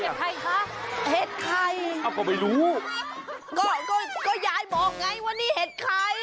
เห็ดใครคะเห็ดใครเอาก็ไม่รู้ก็ก็ก็ยายบอกไงว่านี่เห็ดใคร